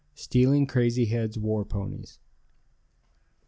STEALING CRAZY HEAD'S WAR PONIES.